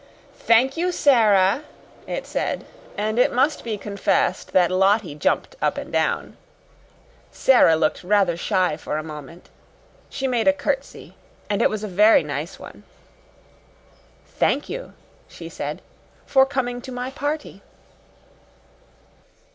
"Thank you, Sara!" it said, and it must be confessed that Lottie jumped up and down. Sara looked rather shy for a moment. She made a curtsy and it was a very nice one. "Thank you," she said, "for coming to my party."